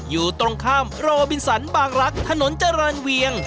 อยู่ตรงข้ามโรบินสันบางรักถนนเจริญเวียง